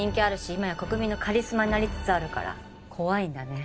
今や国民のカリスマになりつつあるから怖いんだね。